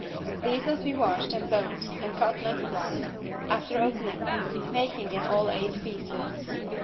These must be washed and boned and cut lengthwise, after opening them, making in all eight pieces.